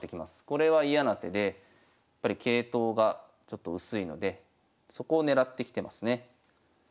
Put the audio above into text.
これは嫌な手でやっぱり桂頭がちょっと薄いのでそこを狙ってきてますね。